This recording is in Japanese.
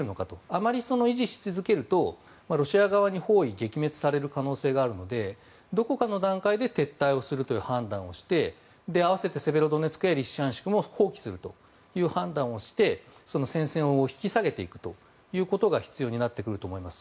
あまり維持し続けるとロシア側に包囲撃滅される可能性があるのでどこかの段階で撤退するという判断をして併せてセベロドネツクやリシチャンシクも放棄するという判断をして戦線を引き下げていくということが必要になってくると思います。